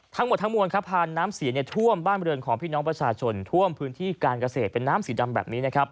ทั้งหมดทั้งมวลครับพานน้ำเสียท่วมบ้านบริเวณของพี่น้องประชาชนท่วมพื้นที่การเกษตรเป็นน้ำสีดำแบบนี้นะครับ